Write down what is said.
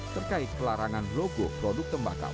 terkait pelarangan rokok produk tempatan